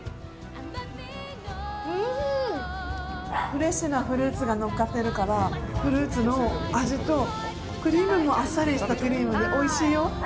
フレッシュなフルーツがのっかってるからフルーツの味と、クリームもあっさりしたクリームでおいしいよ。